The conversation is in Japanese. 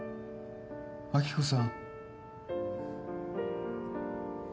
亜希子さん